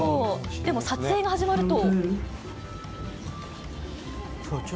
でも撮影が始まると。